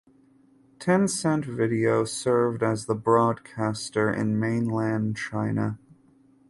Tencent Video served as the broadcaster in mainland China.